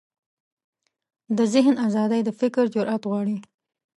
د ذهن ازادي د فکر جرئت غواړي.